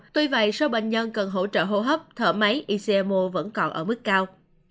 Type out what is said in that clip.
tuy vậy số bệnh nhân cần hỗ trợ hô hấp thở máy icmo vẫn còn ở mức cao